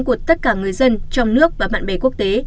của tất cả người dân trong nước và bạn bè quốc tế